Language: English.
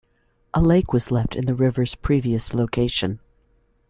A lake was left in the river's previous location.